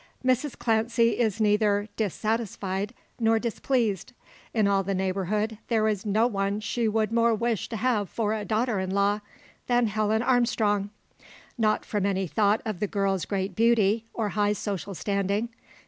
Mrs Clancy is neither dissatisfied nor displeased. In all the neighbourhood there is no one she would more wish to have for a daughter in law than Helen Armstrong. Not from any thought of the girl's great beauty, or high social standing.